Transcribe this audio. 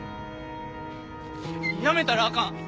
辞めたらあかん